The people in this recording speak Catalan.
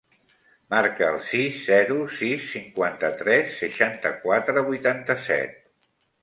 Marca el sis, zero, sis, cinquanta-tres, seixanta-quatre, vuitanta-set.